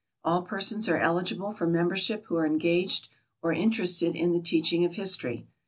All persons are eligible for membership who are engaged or interested in the teaching of history.